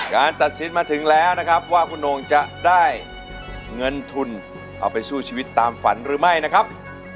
ตัดสินมาถึงแล้วนะครับว่าคุณโอ่งจะได้เงินทุนเอาไปสู้ชีวิตตามฝันหรือไม่นะครับ